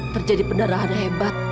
terjadi pedarahan hebat